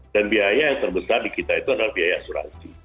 biaya yang terbesar di kita itu adalah biaya asuransi